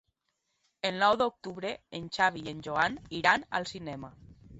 El nou d'octubre en Xavi i en Joan iran al cinema.